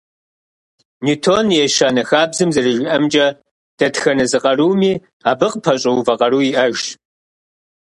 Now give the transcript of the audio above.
Ньютон и ещанэ хабзэм зэрыжиӏэмкӏэ, дэтхэнэ зы къаруми, абы къыпэщӏэувэ къару иӏэжщ.